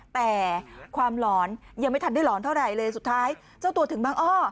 แต่ความหลอนยังไม่ทันได้หลอนเท่าไหร่เลยสุดท้ายเจ้าตัวถึงบางอ้อ